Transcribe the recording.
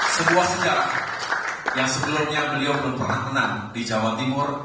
sebuah sejarah yang sebelumnya beliau belum pernah menang di jawa timur